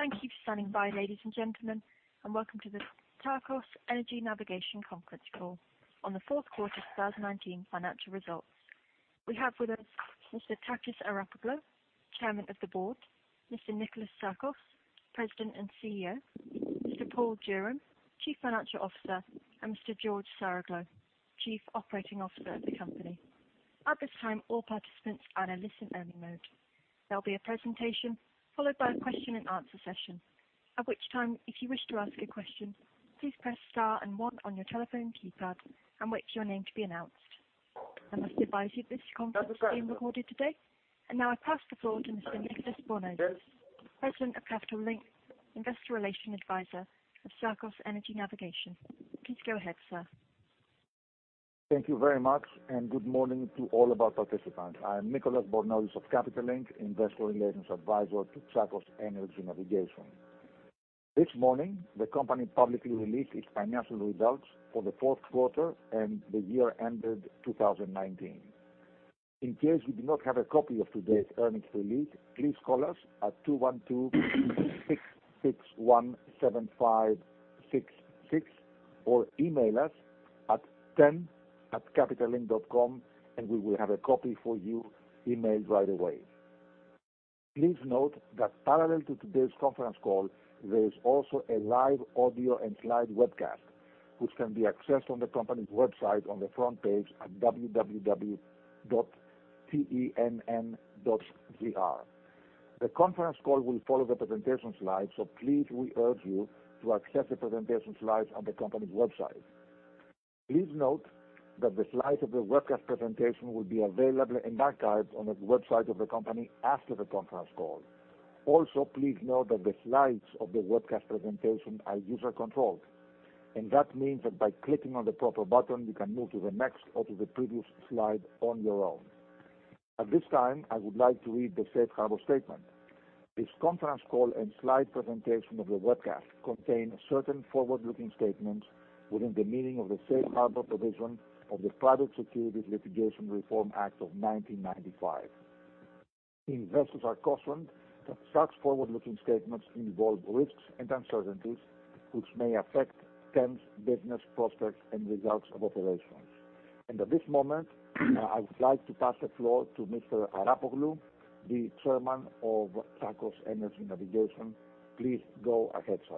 Thank you for standing by, ladies and gentlemen, and welcome to the Tsakos Energy Navigation Conference Call on the Fourth Quarter 2019 Financial Results. We have with us Mr. Takis Arapoglou, Chairman of the Board, Mr. Nikolas Tsakos, President and CEO, Mr. Paul Durham, Chief Financial Officer, and Mr. George Saroglou, Chief Operating Officer of the company. At this time, all participants are in listen-only mode. There'll be a presentation followed by a question and answer session. At which time, if you wish to ask a question, please press star and one on your telephone keypad and wait for your name to be announced. I must advise you this conference is being recorded today. Now I pass the floor to Mr. Nicolas Bornozis, President of Capital Link, Investor Relations Advisor of Tsakos Energy Navigation. Please go ahead, sir. Thank you very much, and good morning to all of our participants. I am Nicolas Bornozis of Capital Link, Investor Relations Advisor to Tsakos Energy Navigation. This morning, the company publicly released its financial results for the fourth quarter and the year ended 2019. In case you do not have a copy of today's earnings release, please call us at two one two six six one seven five six six, or email us at ten@capitallink.com and we will have a copy for you emailed right away. Please note that parallel to today's conference call, there is also a live audio and slide webcast, which can be accessed on the company's website on the front page at www.ten.gr. The conference call will follow the presentation slides, so please, we urge you to access the presentation slides on the company's website. Please note that the slides of the webcast presentation will be available in archives on the website of the company after the conference call. Also, please note that the slides of the webcast presentation are user-controlled. That means that by clicking on the proper button, you can move to the next or to the previous slide on your own. At this time, I would like to read the safe harbor statement. This conference call and slide presentation of the webcast contain certain forward-looking statements within the meaning of the safe harbor provision of the Private Securities Litigation Reform Act of 1995. Investors are cautioned that such forward-looking statements involve risks and uncertainties which may affect TEN's business prospects and results of operations. At this moment, I would like to pass the floor to Mr. Arapoglou, the Chairman of Tsakos Energy Navigation. Please go ahead, sir.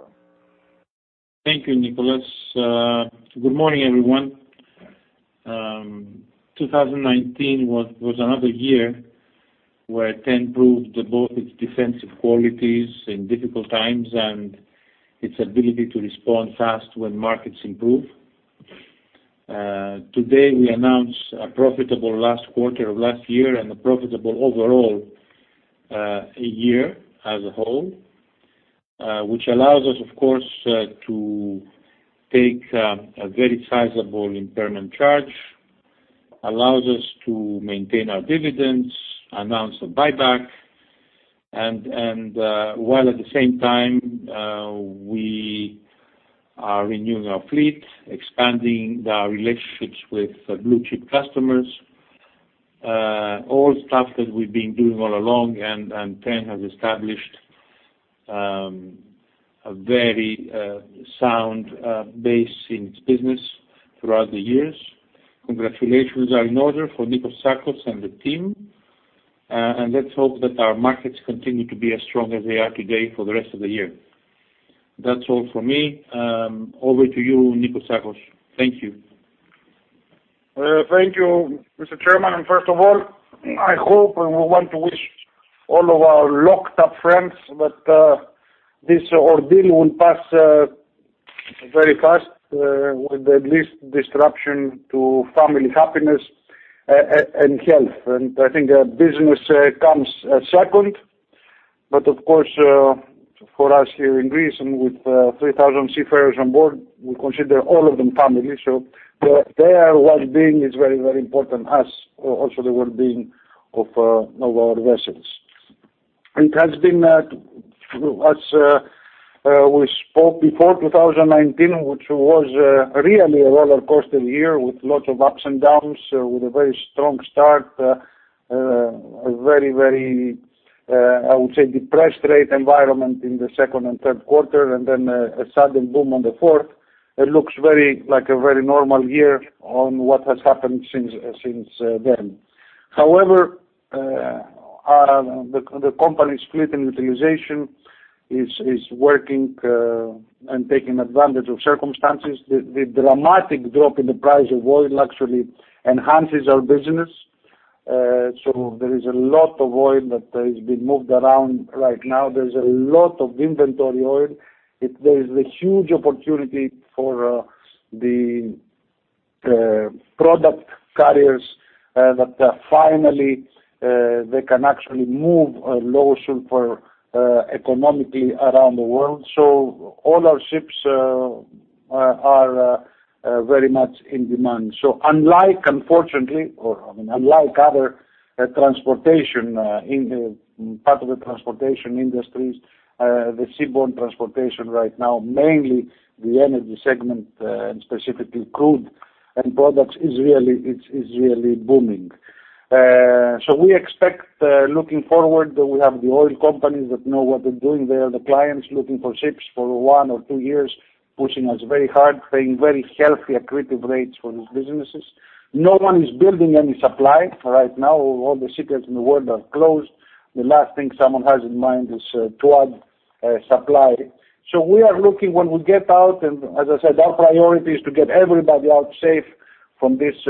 Thank you, Nicolas. Good morning, everyone. 2019 was another year where TEN proved both its defensive qualities in difficult times and its ability to respond fast when markets improve. Today, we announce a profitable last quarter of last year and a profitable overall year as a whole, which allows us, of course, to take a very sizable impairment charge, allows us to maintain our dividends, announce a buyback, and while at the same time we are renewing our fleet, expanding our relationships with blue-chip customers. All stuff that we've been doing all along, TEN has established a very sound base in its business throughout the years. Congratulations are in order for Niko Tsakos and the team, let's hope that our markets continue to be as strong as they are today for the rest of the year. That's all for me. Over to you, Niko Tsakos. Thank you. Thank you, Mr. Chairman. First of all, I hope and we want to wish all of our locked-up friends that this ordeal will pass very fast with the least disruption to family happiness and health. I think business comes second, but of course, for us here in Greece and with 3,000 seafarers on board, we consider all of them family. Their well-being is very important as also the well-being of our vessels. It has been, as we spoke before 2019, which was really a roller coaster year with lots of ups and downs, with a very strong start, a very, I would say, depressed rate environment in the second and third quarter, a sudden boom on the fourth. It looks like a very normal year on what has happened since then. However, the company's fleet and utilization is working and taking advantage of circumstances. The dramatic drop in the price of oil actually enhances our business. There is a lot of oil that has been moved around right now. There's a lot of inventory oil. There is a huge opportunity for the product carriers that are finally, they can actually move low sulfur economically around the world. All our ships are very much in demand. Unlike, unfortunately, or unlike other part of the transportation industries, the seaborne transportation right now, mainly the energy segment, and specifically crude and products is really booming. We expect, looking forward that we have the oil companies that know what they're doing there, the clients looking for ships for one or two years, pushing us very hard, paying very healthy accretive rates for these businesses. No one is building any supply right now. All the shipyards in the world are closed. The last thing someone has in mind is to add supply. We are looking when we get out, and as I said, our priority is to get everybody out safe from this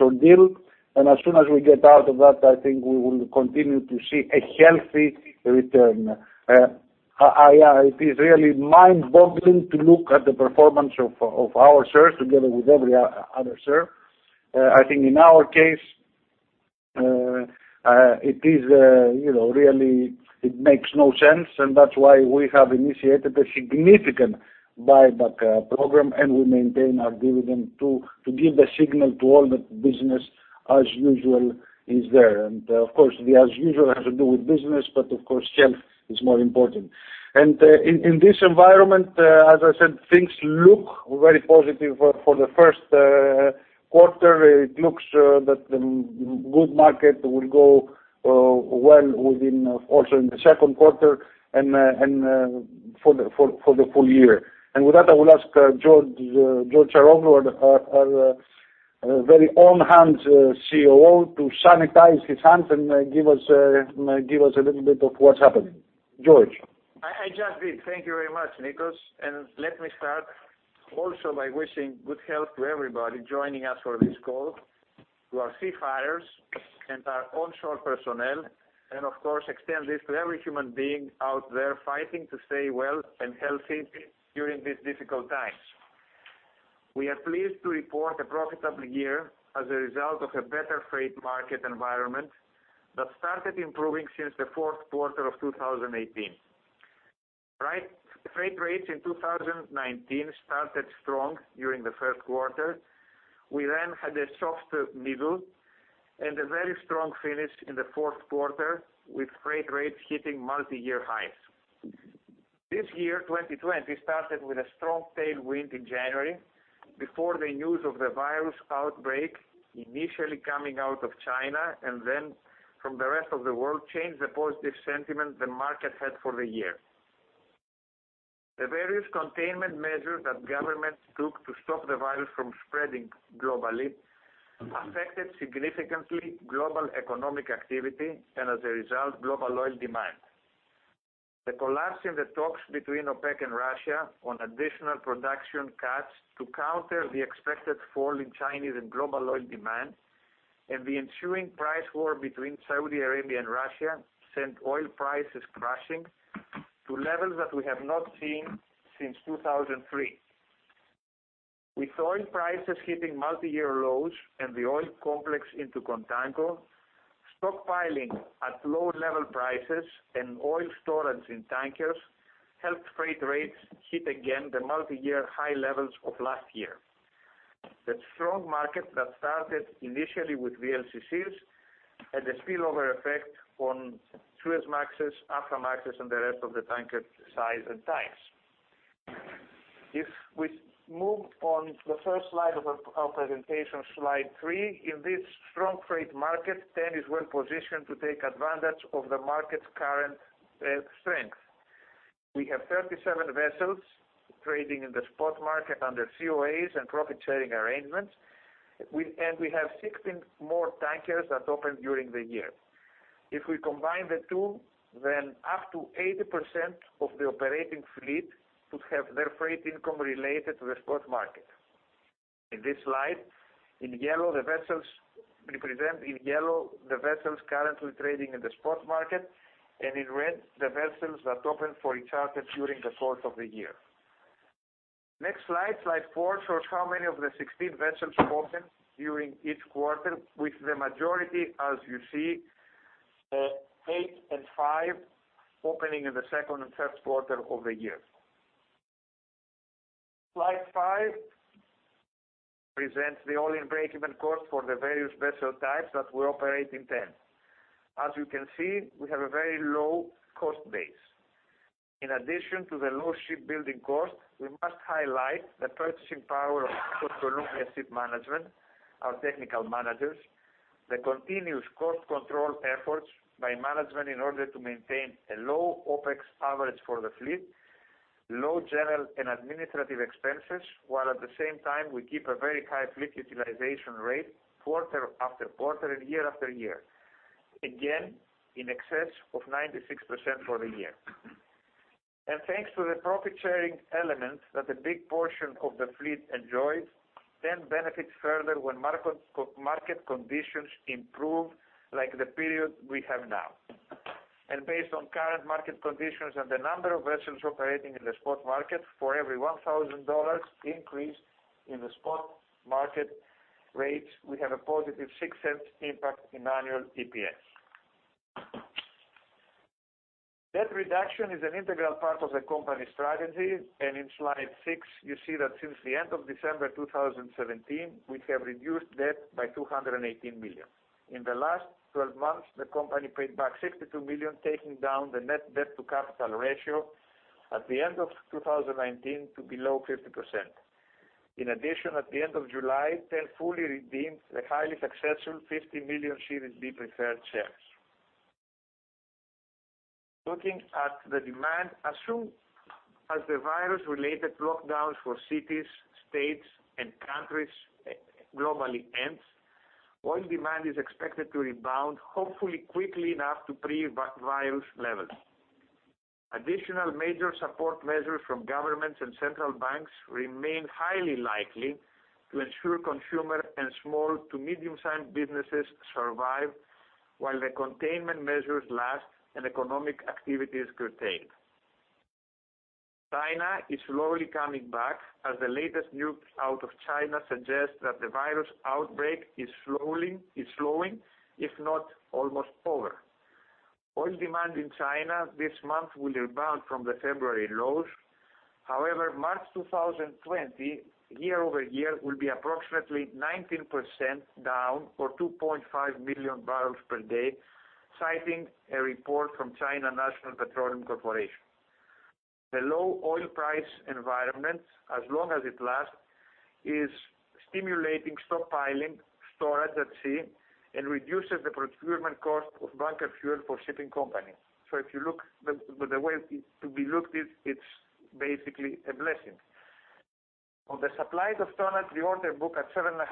ordeal. As soon as we get out of that, I think we will continue to see a healthy return. It is really mind-boggling to look at the performance of our shares together with every other share. I think in our case, it really makes no sense, and that's why we have initiated a significant buyback program, and we maintain our dividend to give the signal to all that business as usual is there. Of course, the as usual has to do with business, but of course, health is more important. In this environment, as I said, things look very positive for the first quarter. It looks that the good market will go well also in the second quarter and for the full-year. With that, I will ask George Saroglou our very own COO to sanitize his hands and give us a little bit of what's happening. George? I just did. Thank you very much, Nikolas. Let me start also by wishing good health to everybody joining us for this call, to our seafarers and our onshore personnel, and of course, extend this to every human being out there fighting to stay well and healthy during these difficult times. We are pleased to report a profitable year as a result of a better freight market environment that started improving since the fourth quarter of 2018. Freight rates in 2019 started strong during the first quarter. We then had a softer middle and a very strong finish in the fourth quarter with freight rates hitting multiyear highs. This year, 2020, started with a strong tailwind in January before the news of the virus outbreak, initially coming out of China and then from the rest of the world, changed the positive sentiment the market had for the year. The various containment measures that governments took to stop the virus from spreading globally affected significantly global economic activity and as a result, global oil demand. The collapse in the talks between OPEC and Russia on additional production cuts to counter the expected fall in Chinese and global oil demand and the ensuing price war between Saudi Arabia and Russia sent oil prices crashing to levels that we have not seen since 2003. With oil prices hitting multiyear lows and the oil complex into contango, stockpiling at low-level prices and oil storage in tankers helped freight rates hit again the multiyear high levels of last year. The strong market that started initially with VLCCs had a spillover effect on Suezmaxes, Aframaxes and the rest of the tanker size and types. If we move on the first slide of our presentation, slide three, in this strong freight market, TEN is well positioned to take advantage of the market's current strength. We have 37 vessels trading in the spot market under COAs and profit-sharing arrangements. We have 16 more tankers that opened during the year. If we combine the two, up to 80% of the operating fleet could have their freight income related to the spot market. In this slide, represented in yellow, the vessels currently trading in the spot market, and in red, the vessels that opened for charter during the course of the year. Next slide four, shows how many of the 16 vessels opened during each quarter, with the majority, as you see, eight and five opening in the second and first quarter of the year. Slide five presents the all-in breakeven cost for the various vessel types that we operate in TEN. As you can see, we have a very low cost base. In addition to the low shipbuilding cost, we must highlight the purchasing power of [Columbia] Shipmanagement, our technical managers, the continuous cost control efforts by management in order to maintain a low OpEx average for the fleet, low general and administrative expenses, while at the same time we keep a very high fleet utilization rate quarter-after-quarter and year-after-year, again, in excess of 96% for the year. Thanks to the profit-sharing elements that a big portion of the fleet enjoys, TEN benefits further when market conditions improve like the period we have now. Based on current market conditions and the number of vessels operating in the spot market, for every $1,000 increase in the spot market rates, we have a positive $0.06 impact in annual EPS. Debt reduction is an integral part of the company strategy, and in slide six, you see that since the end of December 2017, we have reduced debt by $218 million. In the last 12 months, the company paid back $62 million, taking down the net debt to capital ratio at the end of 2019 to below 50%. In addition, at the end of July, they fully redeemed the highly successful $50 million Series B preferred shares. Looking at the demand, as soon as the virus related lockdowns for cities, states, and countries globally ends, oil demand is expected to rebound, hopefully quickly enough to pre-virus levels. Additional major support measures from governments and central banks remain highly likely to ensure consumer and small to medium-sized businesses survive while the containment measures last and economic activity is curtailed. China is slowly coming back as the latest news out of China suggests that the virus outbreak is slowing, if not almost over. Oil demand in China this month will rebound from the February lows. March 2020, year-over-year, will be approximately 19% down or 2.5 million barrels per day, citing a report from China National Petroleum Corporation. The low oil price environment, as long as it lasts, is stimulating stockpiling, storage at sea, and reduces the procurement cost of bunker fuel for shipping companies. If you look the way to be looked it's basically a blessing. On the supplied of tonnage, the order book at 7.5%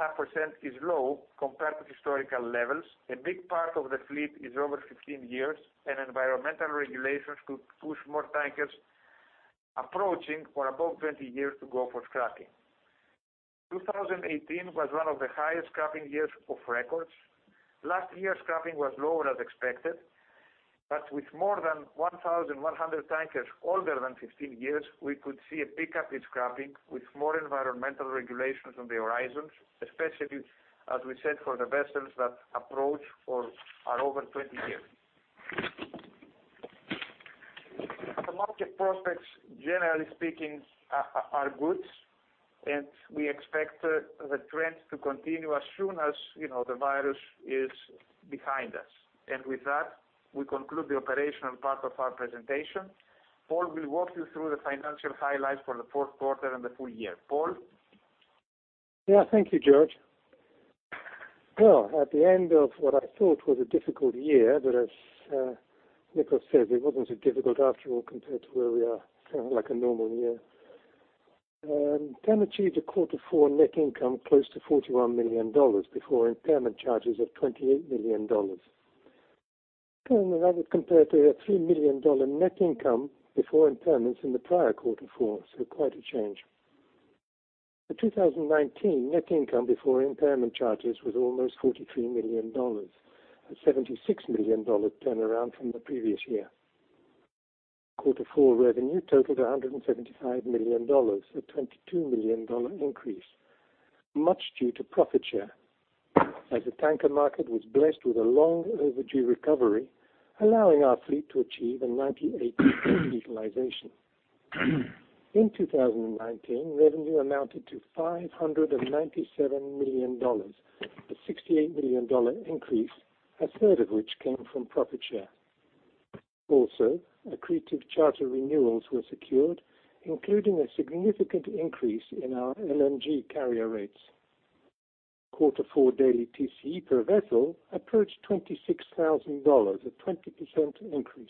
is low compared to historical levels. A big part of the fleet is over 15 years. Environmental regulations could push more tankers approaching for above 20 years to go for scrapping. 2018 was one of the highest scrapping years of records. Last year, scrapping was lower as expected. With more than 1,100 tankers older than 15 years, we could see a pickup in scrapping with more environmental regulations on the horizon, especially as we said for the vessels that approach or are over 20 years. The market prospects, generally speaking, are good. We expect the trend to continue as soon as the virus is behind us. With that, we conclude the operational part of our presentation. Paul will walk you through the financial highlights for the fourth quarter and the full-year. Paul? Yeah, thank you, George. Well, at the end of what I thought was a difficult year, but as Nikolas says, it wasn't so difficult after all compared to where we are, kind of like a normal year. TEN achieved a quarter four net income close to $41 million before impairment charges of $28 million. That would compare to a $3 million net income before impairments in the prior quarter four, quite a change. The 2019 net income before impairment charges was almost $43 million. A $76 million turnaround from the previous year. Quarter four revenue totaled $175 million, a $22 million increase, much due to profit share as the tanker market was blessed with a long overdue recovery, allowing our fleet to achieve a 98% utilization. In 2019, revenue amounted to $597 million, a $68 million increase, a third of which came from profit share. Also, accretive charter renewals were secured, including a significant increase in our LNG carrier rates. Quarter four daily TCE per vessel approached $26,000, a 20% increase.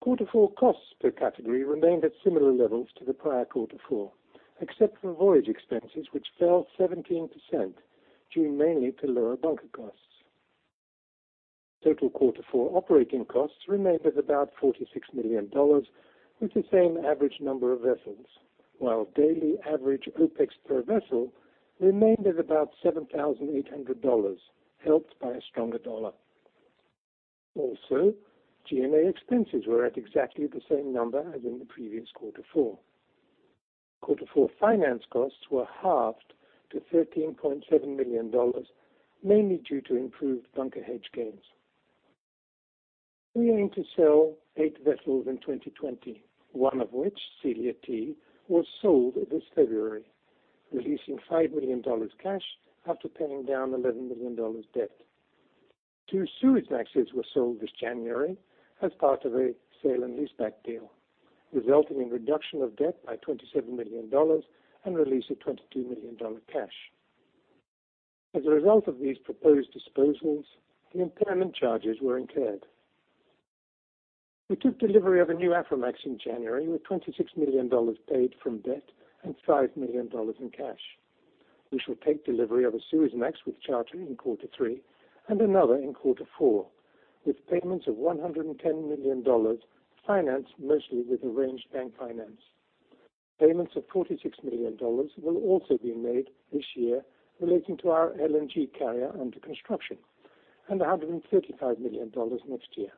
Quarter four costs per category remained at similar levels to the prior quarter four, except for voyage expenses, which fell 17%, due mainly to lower bunker costs. Total quarter four operating costs remained at about $46 million, with the same average number of vessels. While daily average OpEx per vessel remained at about $7,800, helped by a stronger dollar. Also, G&A expenses were at exactly the same number as in the previous quarter four. Quarter four finance costs were halved to $13.7 million, mainly due to improved bunker hedge gains. We aim to sell eight vessels in 2020, one of which, Silia T, was sold this February, releasing $5 million cash after paying down $11 million debt. Two Suezmaxes were sold this January as part of a sale and leaseback deal, resulting in reduction of debt by $27 million and release of $22 million cash. As a result of these proposed disposals, the impairment charges were incurred. We took delivery of a new Aframax in January, with $26 million paid from debt and $5 million in cash. We shall take delivery of a Suezmax with charter in quarter three and another in quarter four, with payments of $110 million financed mostly with arranged bank finance. Payments of $46 million will also be made this year relating to our LNG carrier under construction and $135 million next year.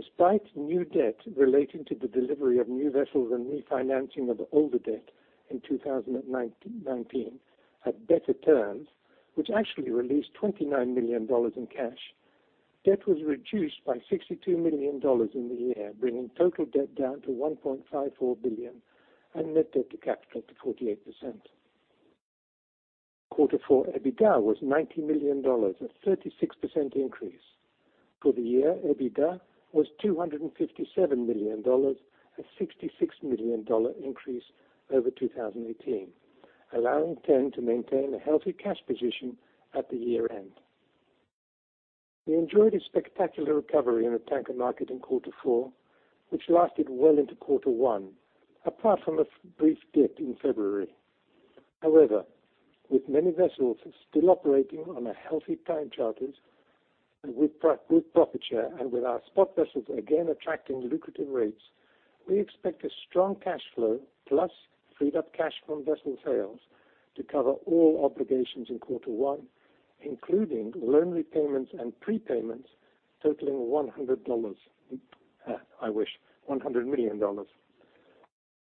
Despite new debt relating to the delivery of new vessels and refinancing of older debt in 2019 at better terms, which actually released $29 million in cash, debt was reduced by $62 million in the year, bringing total debt down to $1.54 billion and net debt to capital to 48%. Quarter four EBITDA was $90 million, a 36% increase. For the year, EBITDA was $257 million, a $66 million increase over 2018, allowing TEN to maintain a healthy cash position at the year-end. We enjoyed a spectacular recovery in the tanker market in quarter four, which lasted well into quarter one, apart from a brief dip in February. With many vessels still operating on a healthy time charters and with good profit share, and with our spot vessels again attracting lucrative rates, we expect a strong cash flow plus freed-up cash from vessel sales to cover all obligations in quarter one, including loan repayments and prepayments totaling $100. I wish. $100 million.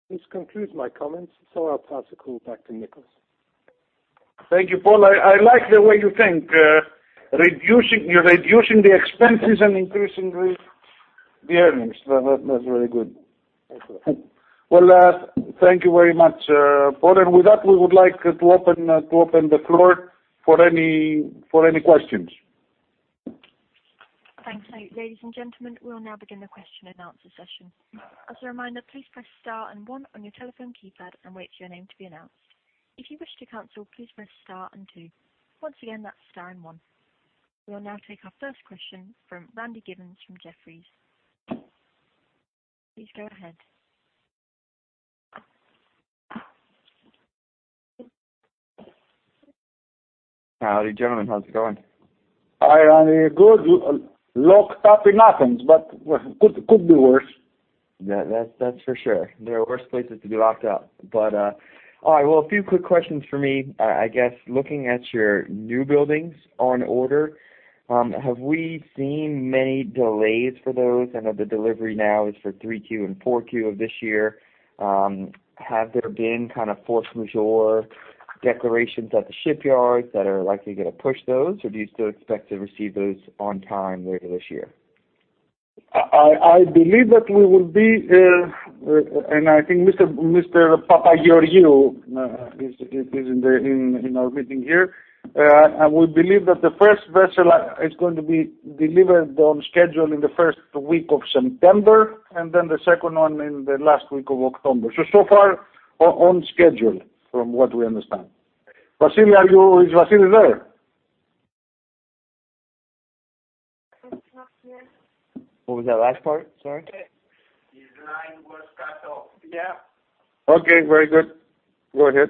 This concludes my comments. I'll pass the call back to Nikolas. Thank you, Paul. I like the way you think. You're reducing the expenses and increasing the earnings. That's very good. Well, thank you very much, Paul. With that, we would like to open the floor for any questions. Thanks. Ladies and gentlemen, we will now begin the question and answer session. As a reminder, please press star and one on your telephone keypad and wait for your name to be announced. If you wish to cancel, please press star and two. Once again, that's star and one. We will now take our first question from Randy Giveans from Jefferies. Please go ahead. Howdy, gentlemen. How's it going? Hi, Randy. Good. Locked up in Athens, but could be worse. That's for sure. There are worse places to be locked up. All right. Well, a few quick questions from me. I guess looking at your new buildings on order, have we seen many delays for those? I know the delivery now is for 3Q and 4Q of this year. Have there been kind of force majeure declarations at the shipyards that are likely going to push those, or do you still expect to receive those on time later this year? I believe that we will be, and I think Mr. Papageorgiou is in our meeting here. We believe that the first vessel is going to be delivered on schedule in the first week of September, and then the second one in the last week of October. So far on schedule from what we understand. Vassilis, are you there? What was that last part? Sorry. His line was cut off. Yeah. Okay. Very good. Go ahead.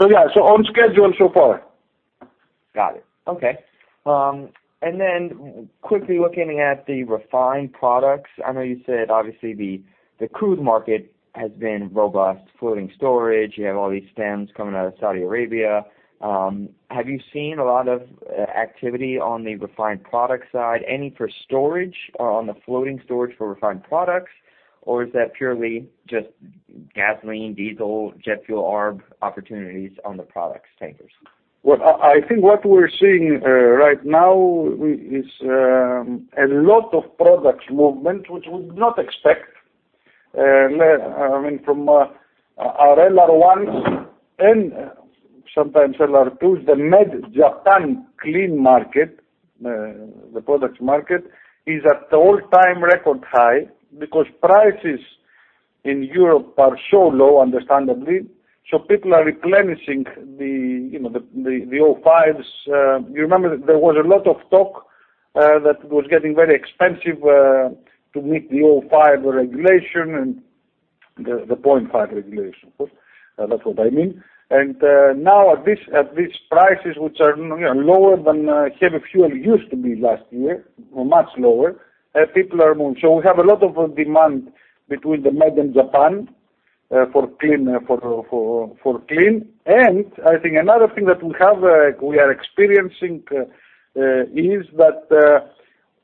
Yeah, so on schedule so far. Got it. Okay. Quickly looking at the refined products. I know you said obviously the cruise market has been robust. Floating storage, you have all these stems coming out of Saudi Arabia. Have you seen a lot of activity on the refined product side? Any for storage or on the floating storage for refined products? Is that purely just gasoline, diesel, jet fuel arb opportunities on the products tankers? Well, I think what we're seeing right now is a lot of products movement, which we would not expect from our LR1s and sometimes LR2s. The Med-Japan clean market, the products market, is at all-time record high because prices in Europe are so low, understandably. People are replenishing the old fives. You remember there was a lot of talk that was getting very expensive to meet the 0.5 regulation. That's what I mean. Now at these prices, which are lower than heavy fuel used to be last year, much lower, people are moving. We have a lot of demand between the Med and Japan for clean. I think another thing that we are experiencing is that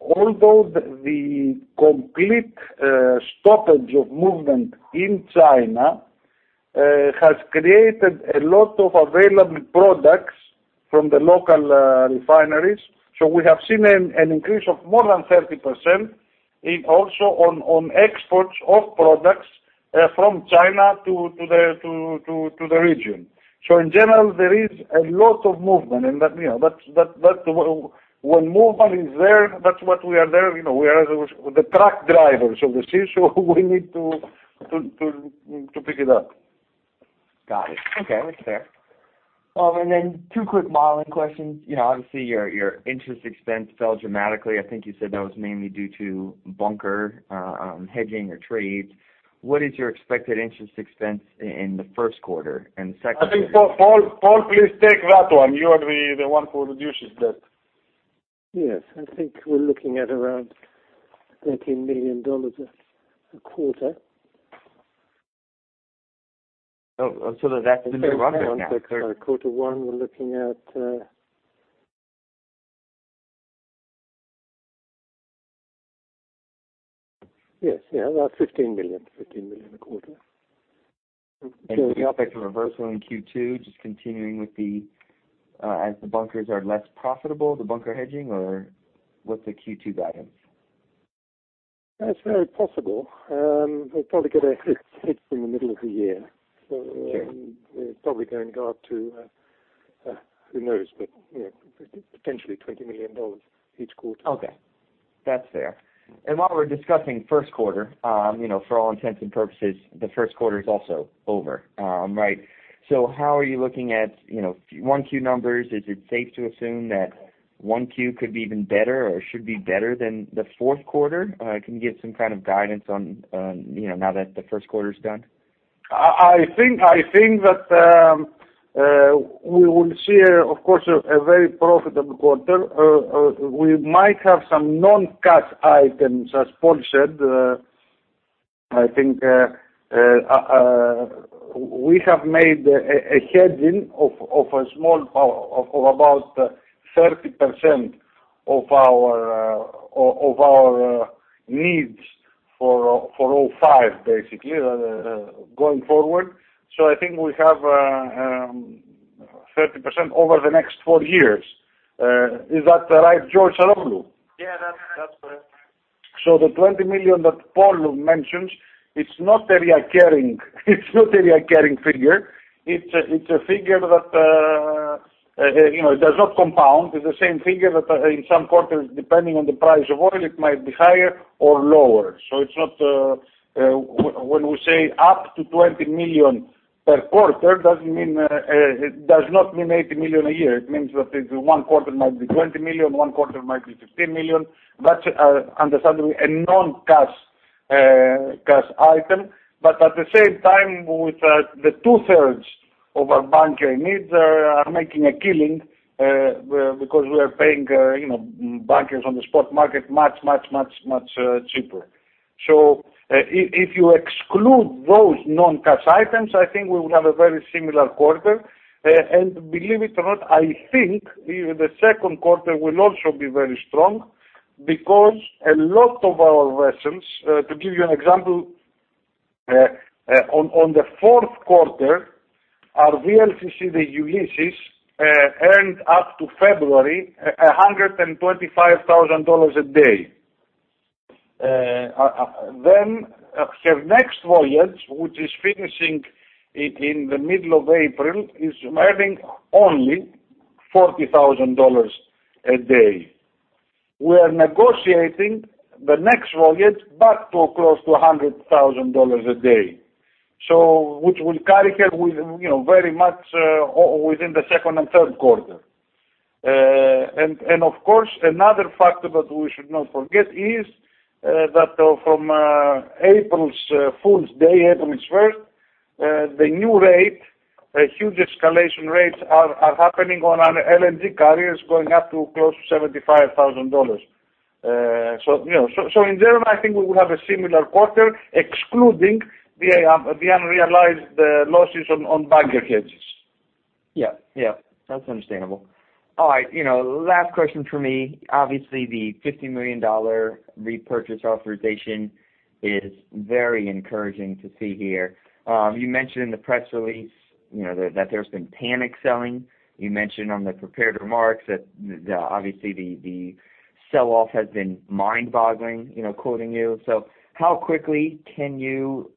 although the complete stoppage of movement in China has created a lot of available products from the local refineries. We have seen an increase of more than 30% also on exports of products from China to the region. In general, there is a lot of movement. When movement is there, that's what we are there. We are the truck drivers of the sea, so we need to pick it up. Got it. Okay. That's fair. Two quick modeling questions. Obviously, your interest expense fell dramatically. I think you said that was mainly due to bunker hedging or trades. What is your expected interest expense in the first quarter and the second quarter? I think, Paul, please take that one. You are the one who reduces that. Yes. I think we're looking at around $13 million a quarter. That's in the wrong number now. Quarter one, we're looking at. Yes, about $15 million a quarter. Do you anticipate a reversal in Q2, just continuing as the bunkers are less profitable, the bunker hedging, or what's the Q2 guidance? That's very possible. We'll probably get a hit in the middle of the year. Sure. We're probably going to go up to, who knows? Potentially $20 million each quarter. Okay. That's fair. While we're discussing first quarter, for all intents and purposes, the first quarter is also over, right? How are you looking at 1Q numbers? Is it safe to assume that 1Q could be even better or should be better than the fourth quarter? Can you give some kind of guidance now that the first quarter's done? I think that we will see, of course, a very profitable quarter. We might have some non-cash items, as Paul said. I think we have made a hedging of about 30% of our needs for 0.5, basically, going forward. I think we have 30% over the next four years. Is that right, George Saroglou? Yeah, that's correct. The $20 million that Paul mentions, it's not a recurring figure. It's a figure that does not compound. It's the same figure that in some quarters, depending on the price of oil, it might be higher or lower. When we say up to $20 million per quarter, it does not mean $80 million a year. It means that one quarter might be $20 million, one quarter might be $16 million. That's understandably a non-cash item. At the same time, with the two-thirds of our bunkering needs are making a killing because we are paying bunkers on the spot market much cheaper. If you exclude those non-cash items, I think we would have a very similar quarter. Believe it or not, I think even the second quarter will also be very strong because a lot of our vessels, to give you an example, on the fourth quarter, our VLCC, the Ulysses, earned up to February $125,000 a day. Next voyage, which is finishing in the middle of April, is earning only $40,000 a day. We're negotiating the next voyage back to close to $100,000 a day, which will carry her very much within the second and third quarter. Of course, another factor that we should not forget is that from April Fools' Day, April 1st, the new rate, huge escalation rates are happening on our LNG carriers going up to close to $75,000. In general, I think we will have a similar quarter excluding the unrealized losses on bunker hedges. Yeah. That's understandable. All right. Last question from me. Obviously, the $50 million repurchase authorization is very encouraging to see here. You mentioned in the press release that there's been panic selling. You mentioned on the prepared remarks that obviously the sell-off has been mind-boggling, quoting you. How quickly can you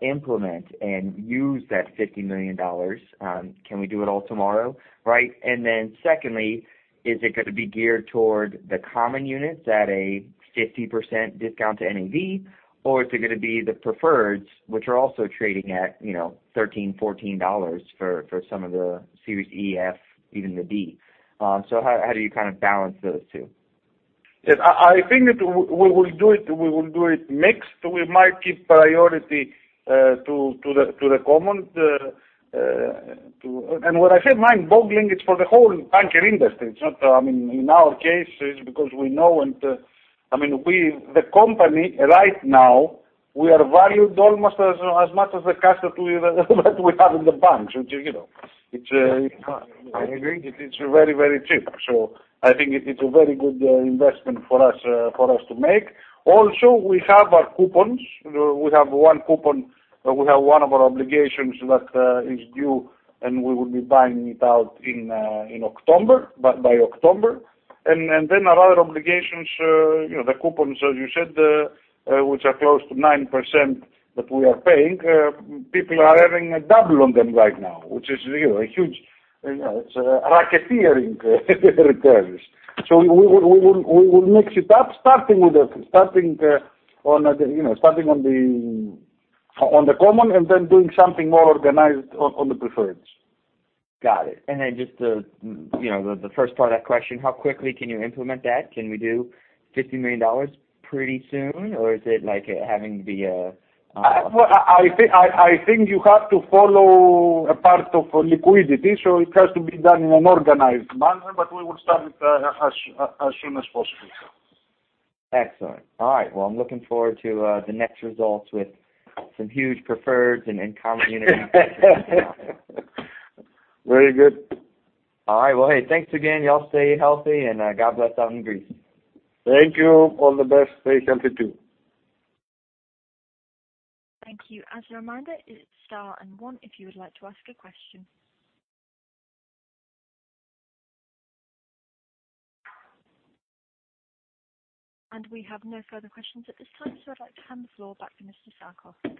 implement and use that $50 million? Can we do it all tomorrow, right? Secondly, is it going to be geared toward the common units at a 50% discount to NAV, or is it going to be the preferred, which are also trading at $13, $14 for some of the Series E, F, even the D? How do you balance those two? I think that we will do it mixed. We might give priority to the common. When I say mind-boggling, it's for the whole tanker industry. In our case, it's because we know. The company right now, we are valued almost as much as the cash that we have in the banks. I agree. It's very cheap. I think it's a very good investment for us to make. Also, we have our coupons. We have one coupon. We have one of our obligations that is due, and we will be buying it out by October. Our other obligations, the coupons, as you said, which are close to 9% that we are paying, people are having a double on them right now, which is a huge racketeering returns. We will mix it up, starting on the common and then doing something more organized on the preferreds. Got it. Just the first part of that question, how quickly can you implement that? Can we do $50 million pretty soon, or is it like having to be? I think you have to follow a part of liquidity, so it has to be done in an organized manner, but we will start it as soon as possible. Excellent. All right. Well, I'm looking forward to the next results with some huge preferred and common units. Very good. All right. Hey, thanks again. You all stay healthy, and God bless out in Greece. Thank you. All the best. Stay healthy, too. Thank you. As a reminder, it is star and one if you would like to ask a question. We have no further questions at this time. I would like to hand the floor back to Mr. Tsakos.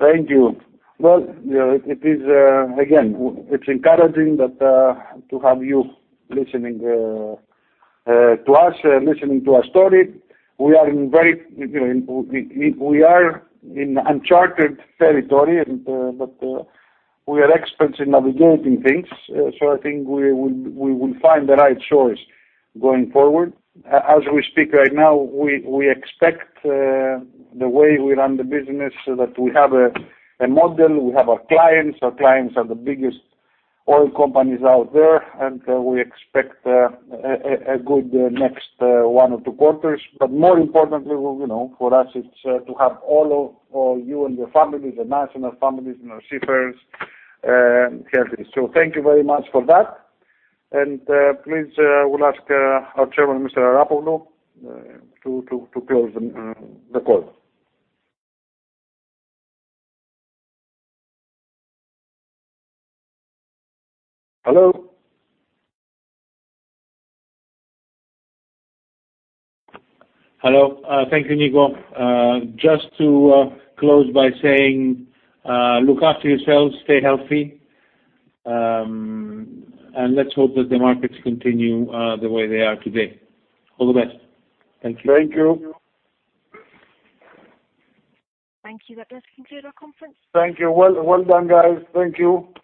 Thank you. Well, again, it's encouraging to have you listening to us, listening to our story. We are in uncharted territory, but we are experts in navigating things. I think we will find the right choice going forward. As we speak right now, we expect the way we run the business so that we have a model. We have our clients. Our clients are the biggest oil companies out there, and we expect a good next one or two quarters. More importantly, for us, it's to have all of you and your families, the national families and our seafarers healthy. Thank you very much for that. Please, we'll ask our Chairman, Mr. Arapoglou, to close the call. Hello? Hello. Thank you, Nico. Just to close by saying, look after yourselves, stay healthy, and let's hope that the markets continue the way they are today. All the best. Thank you. Thank you. Thank you. That does conclude our conference. Thank you. Well done, guys. Thank you.